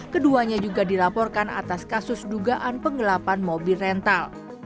keduanya juga dilaporkan atas kasus dugaan penggelapan mobil rental